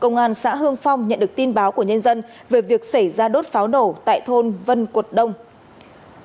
công an xã hương phong nhận được tin báo của nhân dân về việc xảy ra đốt pháo nổ tại thôn vân cuột đông